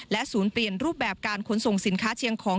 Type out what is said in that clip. ศูนย์เปลี่ยนรูปแบบการขนส่งสินค้าเชียงของ